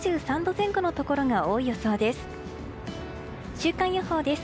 週間予報です。